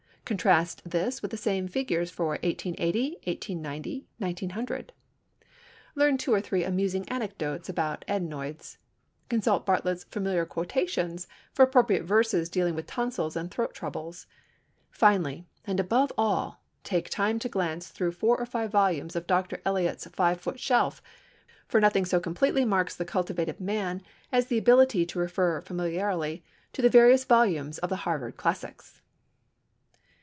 Contrast this with the same figures for 1880, 1890, 1900. Learn two or three amusing anecdotes about adenoids. Consult Bartlett's "Familiar Quotations" for appropriate verses dealing with tonsils and throat troubles. Finally, and above all, take time to glance through four or five volumes of Dr. Eliot's Five Foot Shelf, for nothing so completely marks the cultivated man as the ability to refer familiarly to the various volumes of the Harvard classics.